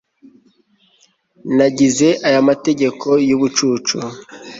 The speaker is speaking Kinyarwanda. nagize aya mategeko yubucucu